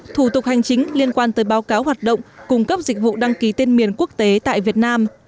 thủ tục hành chính liên quan tới báo cáo hoạt động cung cấp dịch vụ đăng ký tên miền quốc tế tại việt nam